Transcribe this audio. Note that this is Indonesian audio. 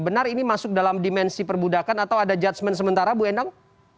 benar ini masuk dalam dimensi perbudakan atau ada judgement sementara bu endang